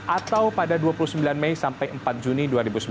atau pada dua puluh sembilan mei sampai empat juni dua ribu sembilan belas